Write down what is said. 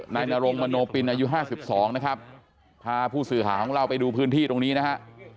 นายนรงมโนปินอายุ๕๒นะครับพาผู้สื่อหาของเราไปดูพื้นที่ตรงนี้นะฮะ